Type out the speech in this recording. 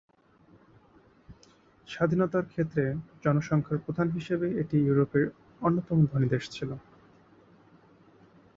স্বাধীনতার ক্ষেত্রে, জনসংখ্যার প্রধান হিসাবে এটি ইউরোপের অন্যতম ধনী দেশ ছিল।